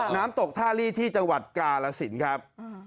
น้ำตกท่าลีที่จังหวัดกาลสินครับ